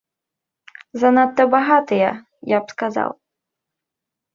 Занадта багатыя, я б сказаў.